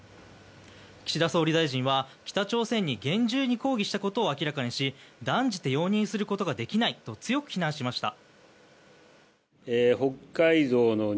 岸田総理大臣は北朝鮮に厳重に抗議したことを明らかにし断じて容認することができないと強く非難しました。